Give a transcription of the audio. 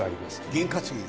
験担ぎに？